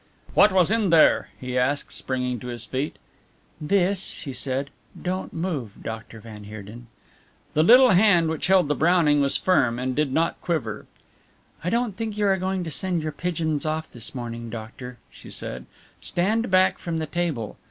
"What was in there?" he asked, springing to his feet. "This," she said, "don't move, Dr. van Heerden!" The little hand which held the Browning was firm and did not quiver. "I don't think you are going to send your pigeons off this morning, doctor," she said. "Stand back from the table."